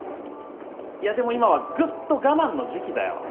いやでも今はグッと我慢の時期だよ。